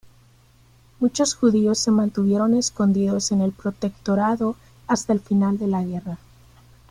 Muchos judíos se mantuvieron escondidos en el Protectorado hasta el final de la guerra.